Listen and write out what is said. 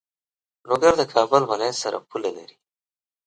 لوګر د کابل ولایت سره پوله لری.